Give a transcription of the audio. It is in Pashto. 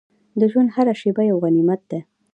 د ژوند هره شېبه یو غنیمت ده.